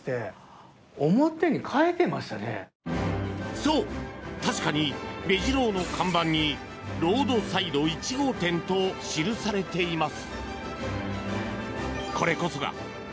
そう、確かにベジ郎の看板に「ロードサイド１号店」と記されています。